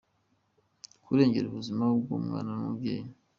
kurengera ubuzima bw’umwana n’umubyeyi